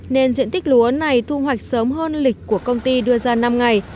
nên diện tích lúa này thu hoạch sớm hơn lịch của công ty đưa ra năm ngày